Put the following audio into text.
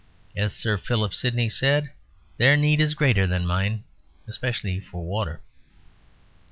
As Sir Philip Sidney said, their need is greater than mine especially for water.